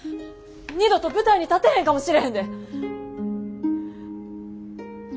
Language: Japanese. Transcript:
二度と舞台に立てへんかもしれへんで。